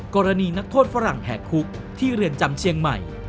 นักโทษฝรั่งแหกคุกที่เรือนจำเชียงใหม่